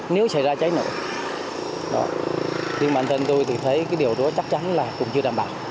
nếu xảy ra cháy nổ thì bản thân tôi thấy điều đó chắc chắn là cũng chưa đảm bảo